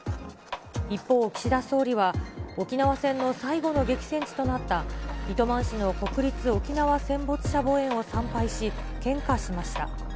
一方、岸田総理は、沖縄戦の最後の激戦地となった糸満市の国立沖縄戦没者墓苑を参拝し、献花しました。